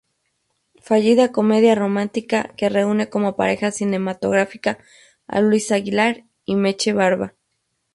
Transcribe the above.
Fallida comedia romántica que reúne como pareja cinematográfica a Luis Aguilar y Meche Barba.